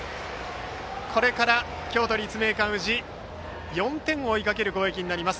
これから京都・立命館宇治４点を追いかける攻撃です。